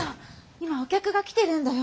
今お客が来てるんだよ。